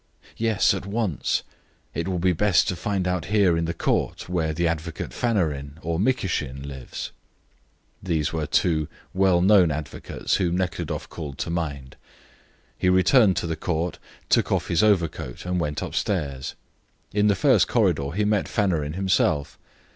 "Yes, at once! It will be best to find out here in the court where the advocate Fanarin or Mikishin lives." These were two well known advocates whom Nekhludoff called to mind. He returned to the court, took off his overcoat, and went upstairs. In the first corridor he met Fanarin himself.